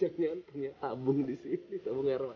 jangan jangan punya tabung disini tabung air luar